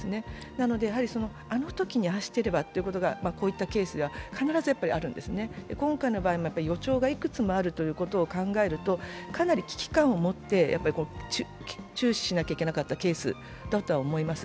なので、あのときにああしていればというのが、こういったケースには必ずあるんですね、今回の場合も予兆がいくつもあると考えるとかなり危機感を持って、注視しなきゃいけなかったケースだとは思います。